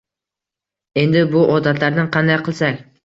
Endi bu “odatlar”ni qanday qilsak